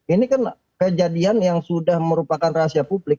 ini kan kejadian yang sudah merupakan rahasia publik